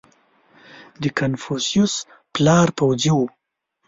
• د کنفوسیوس پلار پوځي و.